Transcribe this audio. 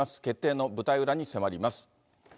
決定の舞台裏に迫ります。